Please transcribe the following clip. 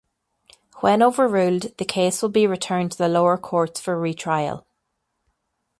When overruled the case will be returned to the lower courts for retrial.